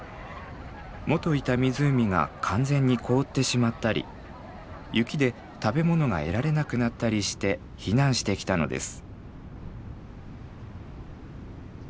もといた湖が完全に凍ってしまったり雪で食べ物が得られなくなったりして避難してきたのです。